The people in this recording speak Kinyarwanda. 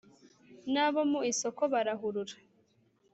n'abo mu isoko barahurura